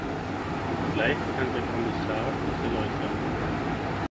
Vielleicht kann der Kommissar dies erläutern.